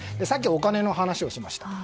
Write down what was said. さっきお金の話をしました。